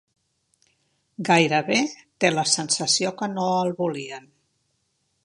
Gairebé te la sensació que no el volien.